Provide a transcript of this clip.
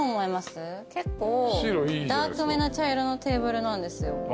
結構ダークめな茶色のテーブルなんですよ。